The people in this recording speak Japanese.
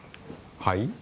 はい？